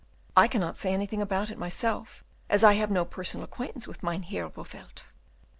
I cannot say anything about it myself, as I have no personal acquaintance with Mynheer Bowelt."